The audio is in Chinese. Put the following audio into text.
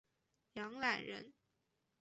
梁览人。